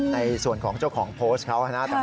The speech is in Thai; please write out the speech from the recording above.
ในส่วนของเจ้าของโพสต์เขานะครับ